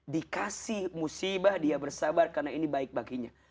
dikasih musibah dia bersabar karena ini baik baginya